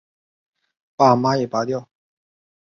把蚂蚁拨掉